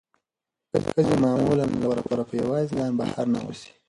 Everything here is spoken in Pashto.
ښځې معمولا له کوره په یوازې ځان بهر نه وځي.